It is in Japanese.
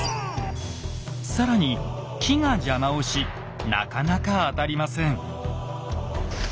更に木が邪魔をしなかなか当たりません。